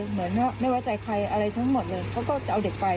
เหมือนไม่ไว้ใจใครอะไรทั้งหมดเลยเขาก็จะเอาเด็กไป